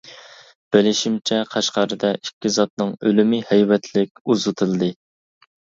بىلىشىمچە قەشقەردە ئىككى زاتنىڭ ئۆلۈمى ھەيۋەتلىك ئۇزىتىلدى.